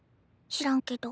知らんけど。